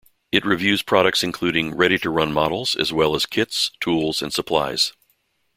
It reviews products including ready-to-run models as well as kits, tools and supplies.